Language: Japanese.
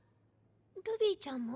ルビィちゃんも？